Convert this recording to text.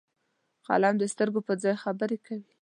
قلم د سترګو پر ځای خبرې کوي